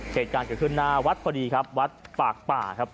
เหตุการณ์เกิดขึ้นหน้าวัดพอดีครับวัดปากป่าครับ